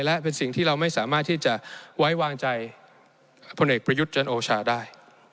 และเป็นสิ่งที่เราไม่สามารถที่จะไว้วางใจพลเอกประยุทธ์จันโอชาได้